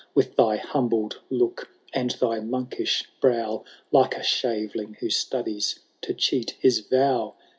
With thy humbled look and thy monkish brow, Like a shaveling who studies to cheat his vow